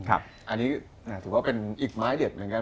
อันนี้ถือว่าเป็นอีกไม้เด็ดเหมือนกัน